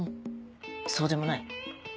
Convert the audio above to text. そうでもない？